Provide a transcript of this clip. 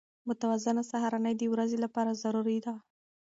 متوازنه سهارنۍ د ورځې لپاره ضروري ده.